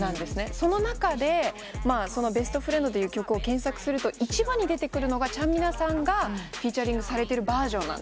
その中で『ＢｅｓｔＦｒｉｅｎｄ』という曲を検索すると一番に出てくるのがちゃんみなさんがフィーチャリングされてるバージョンなんですよ。